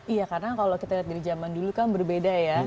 iya karena kalau kita lihat dari zaman dulu kan berbeda ya